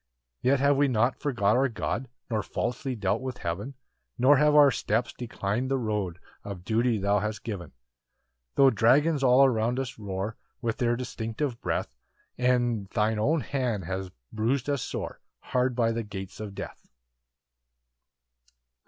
5 Yet have we not forgot our God, Nor falsely dealt with heaven, Nor have our steps declin'd the road Of duty thou hast given. 6 Tho' dragons all around us roar With their destructive breath, And thine own hand has bruis'd us sore Hard by the gates of death.